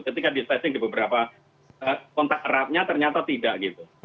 ketika di testing di beberapa kontak eratnya ternyata tidak gitu